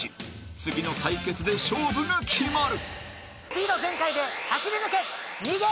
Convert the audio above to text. ［次の対決で勝負が決まる］